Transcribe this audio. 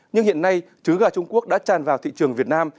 nhưng hiện nay trứng gà trung quốc đã tràn vào thị trường việt nam